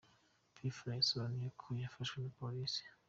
P Fla yasobanuye uko yafashwe na Polisi.